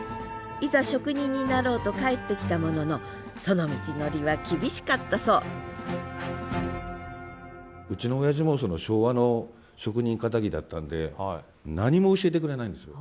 いざ職人になろうと帰ってきたもののその道のりは厳しかったそううちのおやじも昭和の職人かたぎだったんで何も教えてくれないんですよ。